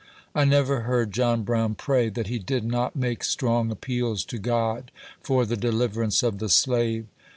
I never heard John Brown pray, that he did not make strong appeals to God for the deliverance of the slave.